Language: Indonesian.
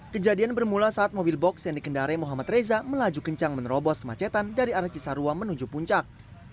kejadian bermula saat mobil box yang dikendarai muhammad reza melaju kencang menerobos kemacetan dari arah cisarua menuju puncak